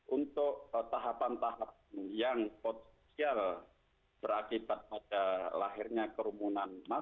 untuk tahapan tahapan yang potensial berakibat pada lahirnya kerumunan masyarakat